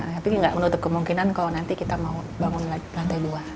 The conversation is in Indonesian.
tapi nggak menutup kemungkinan kalau nanti kita mau bangun lantai dua